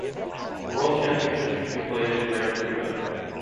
The World Championship should be played in Grand-Prix-Mode.